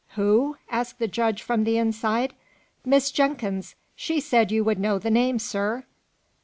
"Who?" asked the judge from the inside. "Miss Jenkins. She said you would know the name, sir."